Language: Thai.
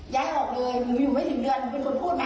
ย้ายออกเลยหนูอยู่ไม่ถึงเดือนหนูเป็นคนพูดนะ